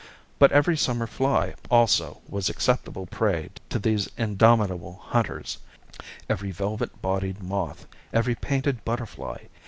But every summer fly, also, was acceptable prey to these indomitable hunters, every velvet bodied moth, every painted butterfly.